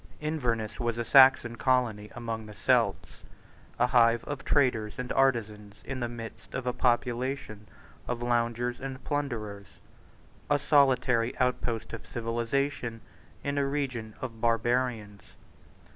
Inverness was a Saxon colony among the Celts, a hive of traders and artisans in the midst of a population of loungers and plunderers, a solitary outpost of civilisation in a region of barbarians.